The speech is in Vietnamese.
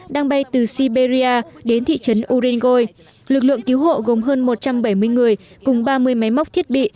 đang bay từ siberia đến thị trấn urenoi lực lượng cứu hộ gồm hơn một trăm bảy mươi người cùng ba mươi máy móc thiết bị